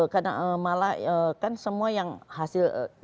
karena malah kan semua yang hasil dua ribu